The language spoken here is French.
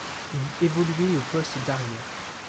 Il évoluait au poste d'arrière.